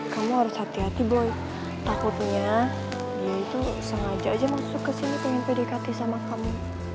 kamu harus hati hati boy takutnya dia itu sengaja aja masuk kesini pengen pedekati sama kamu